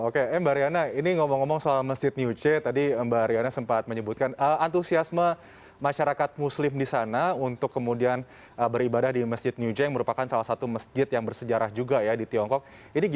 oke mbak riana ini ngomong ngomong soal masjid new j tadi mbak riana sempat menyebutkan antusiasme masyarakat muslim di sana untuk kemudian beribadah di masjid new j yang merupakan masjid yang sangat penting